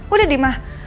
udah deh ma